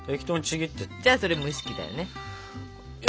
じゃあそれ蒸し器だよね。